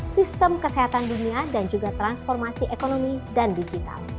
sistem kesehatan dunia dan juga transformasi ekonomi dan digital